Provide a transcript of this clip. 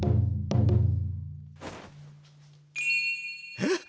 えっ？